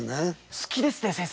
好きですね先生